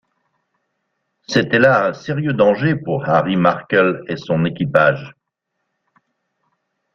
C’était là un sérieux danger pour Harry Markel et son équipage.